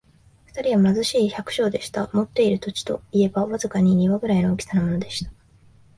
二人は貧しい百姓でした。持っている土地といえば、わずかに庭ぐらいの大きさのものでした。